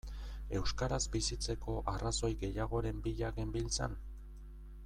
Euskaraz bizitzeko arrazoi gehiagoren bila genbiltzan?